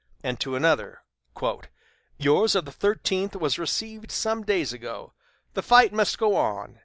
And to another: "Yours of the 13th was received some days ago. The fight must go on.